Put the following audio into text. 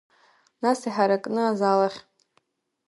Нас иҳаракны азал ахь.